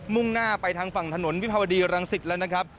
่งหน้าไปทางฝั่งถนนวิภาวดีรังสิตแล้วนะครับ